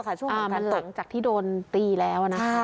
อ่ามันหลังจากที่โดนตีแล้ว